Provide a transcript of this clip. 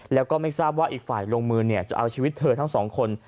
แล้วก็ไม่ทราบว่าอีกฝ่ายลงมือจะเอาชีวิตเธอทั้งสองคน